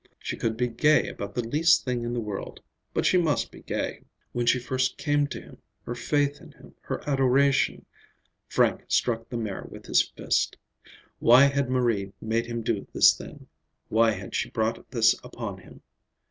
She could be gay about the least thing in the world; but she must be gay! When she first came to him, her faith in him, her adoration—Frank struck the mare with his fist. Why had Marie made him do this thing; why had she brought this upon him?